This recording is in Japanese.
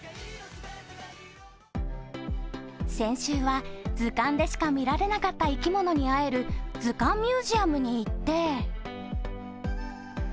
先週は、図鑑でしか見られなかった生き物に会えるずかんミュージアムに行って。